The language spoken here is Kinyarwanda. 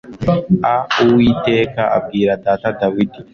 auwiteka abwira data dawidi